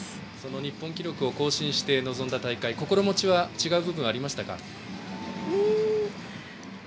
日本記録を更新して臨んだ大会心持ちは違う部分ありましたか？